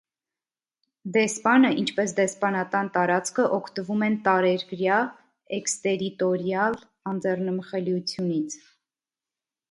Դեսպանը, ինչպես դեսպանատան տարածքը, օգտվում են տարերկրյա (էքստերիտորիալ) անձեռնմխելիությունից։